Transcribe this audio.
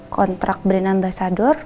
kontrak brand ambasador